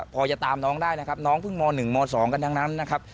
พอจะตามน้องได้นะครับน้องเพิ่งม๑ม๒กันทั้งนั้นนะครับ